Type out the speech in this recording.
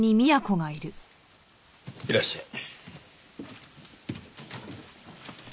いらっしゃい。